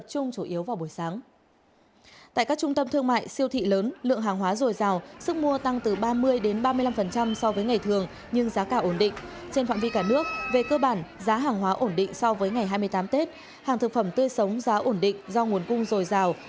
hàng thực phẩm tươi sống giá ổn định do nguồn cung dồi dào